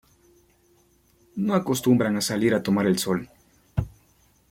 No acostumbran a salir a tomar el sol.